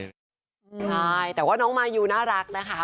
ใช่แต่ว่าน้องมายูน่ารักนะคะ